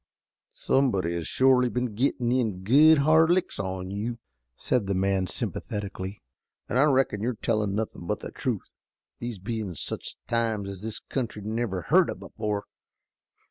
"Somebody has shorely been gettin' in good hard licks on you," said the man sympathetically, "an' I reckon you're tellin' nothin' but the truth, these bein' such times as this country never heard of before.